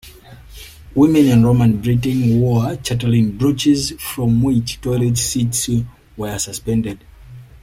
Women in Roman Britain wore 'chatelaine brooches' from which toilet seats were suspended.